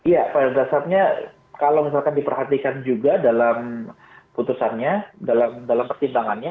ya pada dasarnya kalau misalkan diperhatikan juga dalam putusannya dalam pertimbangannya